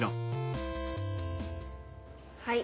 はい。